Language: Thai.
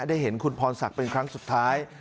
ได้เห็นคุณพรศักดิ์เป็นครั้งสุดท้าย